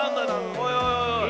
おいおいおいおい。